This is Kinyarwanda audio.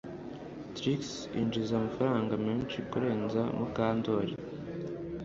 Trix yinjiza amafaranga menshi kurenza Mukandoli